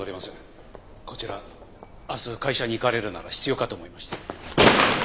こちら明日会社に行かれるなら必要かと思いまして。